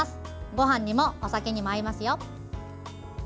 ごはんにも、お酒にも合いますよ。